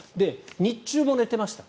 日中も寝てました。